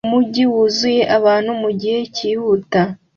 Umujyi wuzuye abantu mugihe cyihuta